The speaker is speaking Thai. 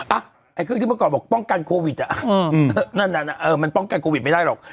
ไอ้เครื่องที่เมื่อก่อนบอกป้องกันโควิดอ่ะนั่นมันป้องกันโควิดไม่ได้หรอก